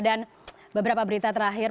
dan beberapa berita terakhir